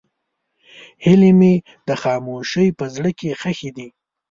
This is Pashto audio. هیلې مې د خاموشۍ په زړه کې ښخې دي.